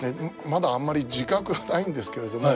まだあんまり自覚がないんですけれども